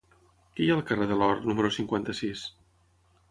Què hi ha al carrer de l'Or número cinquanta-sis?